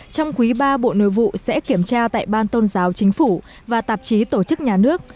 trong quý ba bộ nội vụ sẽ kiểm tra tại ban tôn giáo chính phủ và tạp chí tổ chức nhà nước